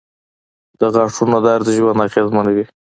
• د غاښونو درد ژوند اغېزمنوي.